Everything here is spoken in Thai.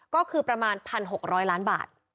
ก็คือประมาณ๑๖๐๐ล้านบาท